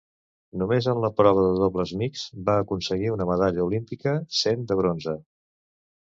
Només en la prova de dobles mixts va aconseguir una medalla olímpica, sent de bronze.